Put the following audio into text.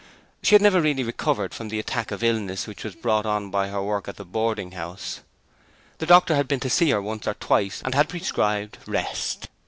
She had never really recovered from the attack of illness which was brought on by her work at the boarding house. The doctor had been to see her once or twice and had prescribed rest.